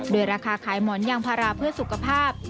โดยราคาขายหมอนยางพาราเพื่อสุขภาพ